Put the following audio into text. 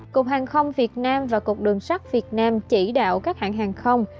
cục hàng không việt nam và cục đường sắt việt nam chỉ đạo các hãng hàng không